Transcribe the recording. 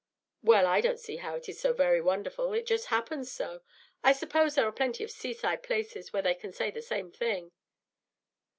"Well, I don't see how it is so very wonderful. It just happens so. I suppose there are plenty of sea side places where they can say the same thing."